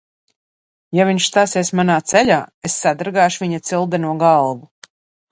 Ja viņš stāsies manā ceļā, es sadragāšu viņa cildeno galvu!